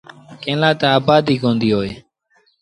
ڪݩهݩ لآ تا آبآديٚ ڪونديٚ هوئي۔